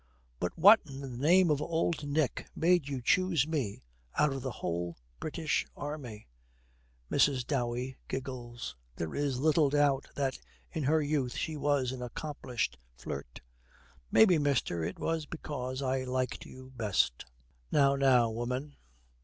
But what in the name of Old Nick made you choose me out of the whole British Army?' Mrs. Dowey giggles. There is little doubt that in her youth she was an accomplished flirt. 'Maybe, mister, it was because I liked you best.' 'Now, now, woman.'